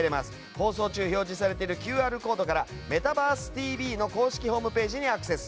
放送中に表示されているＱＲコードから「メタバースＴＶ！！」の公式ホームページにアクセス。